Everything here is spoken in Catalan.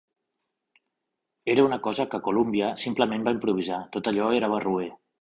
Era una cosa que Columbia simplement va improvisar... Tot allò era barroer.